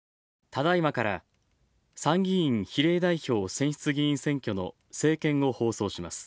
ただいまから参議院比例代表選出議員選挙の政見を放送します。